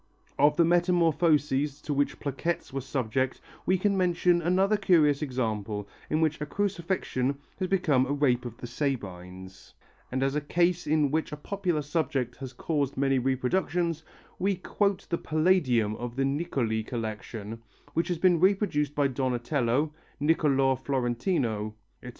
Of the metamorphoses to which plaquettes were subject we can mention another curious example in which a Crucifixion has become a Rape of the Sabines, and as a case in which a popular subject has caused many reproductions, we quote the Palladium of the Niccoli collection which has been reproduced by Donatello, Nicolo Florentino, etc.